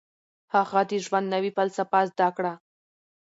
هغه د ژوند نوې فلسفه زده کړه.